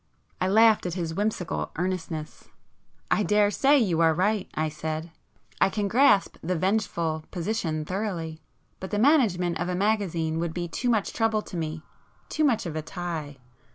I laughed at his whimsical earnestness. "I daresay you are right,"—I said—"I can grasp the vengeful position thoroughly! But the management of a magazine would be too much trouble to me,—too much of a tie."